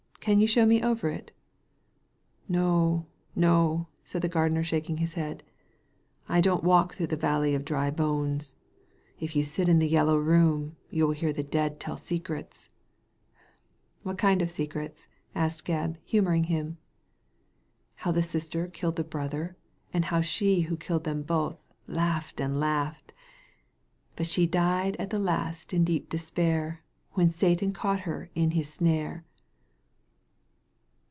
Can you show me over it ?" "No, no," said the gardener, shaking his head. « I don't walk through the valley of dry bones. If Digitized by Google A NEEDLE IN A HAYSTACK 205 you sit in the Yellow Room you hear the dead tell secrets." •* What kind of secrets ?" asked Gebb, humouring him. How the sister killed the brother, and how she who killed them both laughed and laughed * Bat she died at last in deep despair When Satan caught her in his snare.'